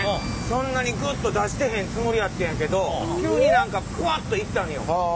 そんなにグッと出してへんつもりやってんやけど急に何かブワッといったんよ。